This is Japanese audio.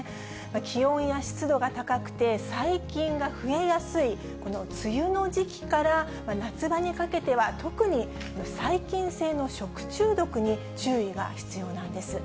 気温や湿度が高くて、細菌が増えやすい、この梅雨の時期から夏場にかけては、特に細菌性の食中毒に注意が必要なんです。